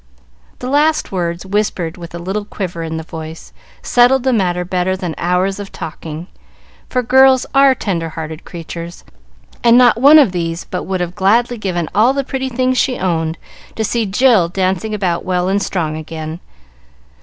The last words, whispered with a little quiver in the voice, settled the matter better than hours of talking, for girls are tender hearted creatures, and not one of these but would have gladly given all the pretty things she owned to see Jill dancing about well and strong again.